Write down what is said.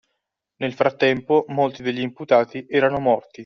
Nel frattempo molti degli imputati erano morti